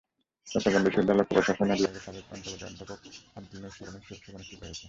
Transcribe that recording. চট্টগ্রাম বিশ্ববিদ্যালয়ের লোকপ্রশাসন বিভাগের সাবেক সভাপতি অধ্যাপক আবদুন নূর স্মরণে শোকসভা অনুষ্ঠিত হয়েছে।